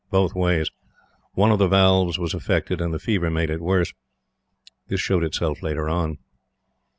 Both ways. One of the valves was affected, and the fever made it worse. This showed itself later on.